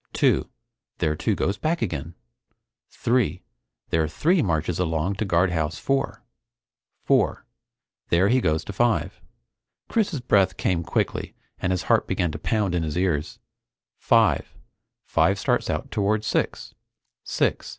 Two. There Two goes back again. Three there Three marches along to Guardhouse Four. Four there he goes to Five " Chris's breath came quickly and his heart began to pound in his ears. "Five Five starts out toward Six.